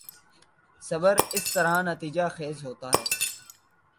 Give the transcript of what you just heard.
صبر اسی طرح نتیجہ خیز ہوتا ہے۔